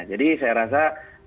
jadi saya rasa